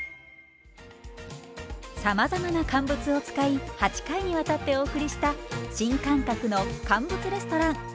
さまざまな乾物を使い８回にわたってお送りした新感覚の乾物レストラン。